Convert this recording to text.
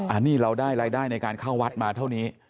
อันนี้เราได้รายได้ในการเข้าวัดมาเท่านี้